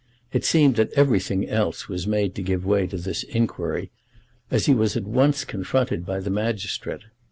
It seemed that everything else was made to give way to this inquiry, as he was at once confronted by the magistrate.